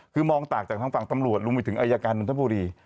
คือมองต่างจากทางฝั่งตำรวจรวมไปถึงอายการนนทบุรี